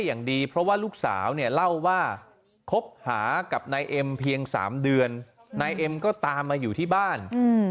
ได้อย่างดีเพราะว่าลูกสาวเนี่ยเล่าว่าครบหากับนายเอ็มเพียงสามเดือนในเองก็ตามมาอยู่ที่บ้านจากนั้นถูกใน๕๗๒